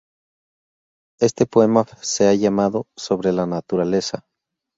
Este poema se ha llamado "Sobre la naturaleza".